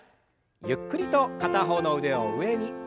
ゆっくりと片方の腕を上に。